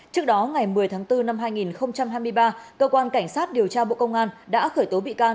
trước đó ngày một mươi tháng bốn năm hai nghìn hai mươi ba cơ quan cảnh sát điều tra bộ công an đã khởi tố bị can